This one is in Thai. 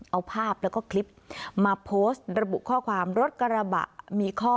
เอาภาพแล้วก็คลิปมาโพสต์ระบุข้อความรถกระบะมีข้อ